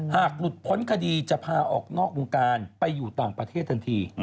หากหลุดพ้นคดีจะพาออกนอกวงการไปอยู่ต่างประเทศทันที